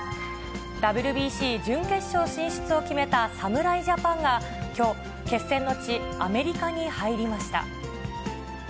ＷＢＣ準決勝進出を決めた侍ジャパンが、きょう、決戦の地、アメリカに入りました。